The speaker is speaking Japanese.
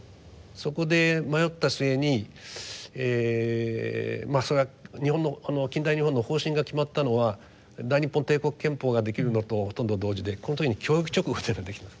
そこで迷った末にそれは近代日本の方針が決まったのは大日本帝国憲法ができるのとほとんど同時でこの時に教育勅語っていうのができています。